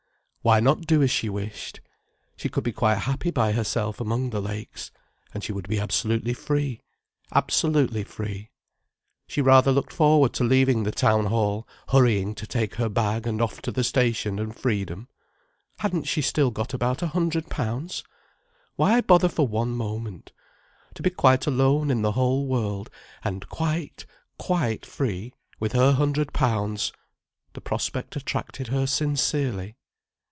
Why not do as she wished! She could be quite happy by herself among the lakes. And she would be absolutely free, absolutely free. She rather looked forward to leaving the Town Hall, hurrying to take her bag and off to the station and freedom. Hadn't she still got about a hundred pounds? Why bother for one moment? To be quite alone in the whole world—and quite, quite free, with her hundred pounds—the prospect attracted her sincerely.